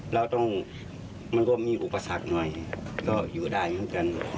เราต้องมันก็มีอุปสรรคหน่อยก็อยู่ได้เหมือนกัน